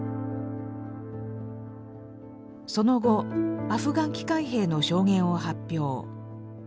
その後「アフガン帰還兵の証言」を発表。